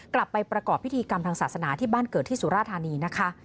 กลับไปประกอบพิธีกรรมทางศาสนาที่บ้านเกิดที่สุราธานีนะคะ